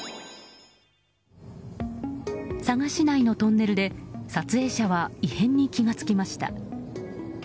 佐賀市内のトンネルで撮影者は異変に気が付きました。